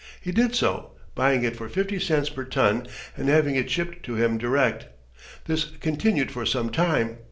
He did so, buying it for fifty cents per ton and having it shipped to him direct. This continued for some time.